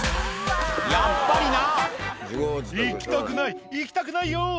やっぱりな「行きたくない行きたくないよ」